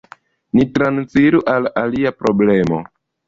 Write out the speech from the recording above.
Ni transiru al alia problemo.